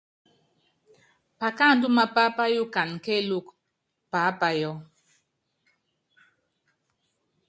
Pakáandú mapá páyukana kéélúkú paápayɔ.